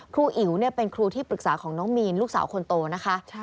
อิ๋วเป็นครูที่ปรึกษาของน้องมีนลูกสาวคนโตนะคะ